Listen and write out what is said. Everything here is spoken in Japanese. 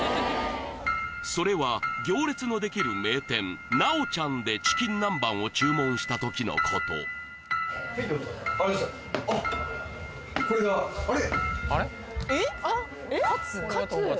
それは行列のできる名店直ちゃんでチキン南蛮を注文した時のことあっこれがあれ？